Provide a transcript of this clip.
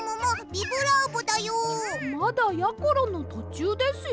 まだやころのとちゅうですよ。